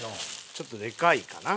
ちょっとでかいかな。